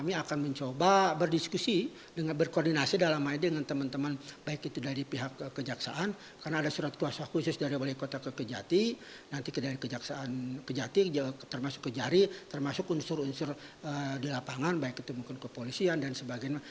masuk unsur unsur di lapangan baik itu mungkin kepolisian dan sebagainya